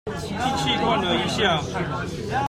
進去逛了一下